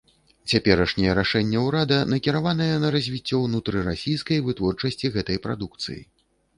Цяперашняе рашэнне ўрада накіраванае на развіццё ўнутрырасійскай вытворчасці гэтай прадукцыі.